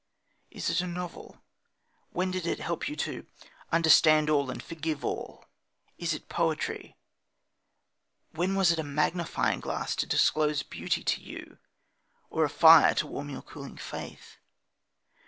Is it a novel when did it help you to "understand all and forgive all"? Is it poetry when was it a magnifying glass to disclose beauty to you, or a fire to warm your cooling faith?